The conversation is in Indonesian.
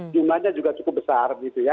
jumlahnya juga cukup besar